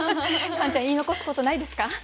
カンちゃん言い残すことないですか？